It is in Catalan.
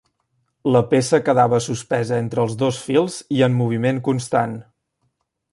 La peça quedava suspesa entre els dos fils i en moviment constant.